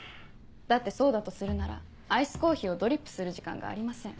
だってそうだとするならアイスコーヒーをドリップする時間がありません。